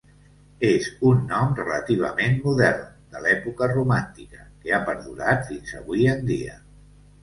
És un nom relativament modern, de l'època romàntica, que ha perdurat fins avui en dia.